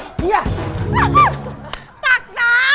ตักน้ำ